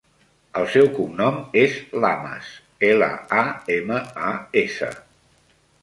El seu cognom és Lamas: ela, a, ema, a, essa.